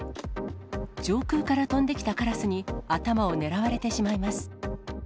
上空から飛んできたカラスに頭を狙われてしまいます。